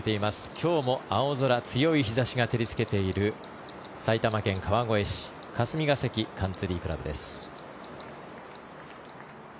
今日も青空、強い日差しが照りつけている埼玉県川越市霞ヶ関カンツリー倶楽部です。